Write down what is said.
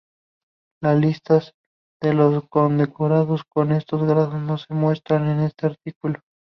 Las listas de los condecorados con estos grados no se muestran en este artículo.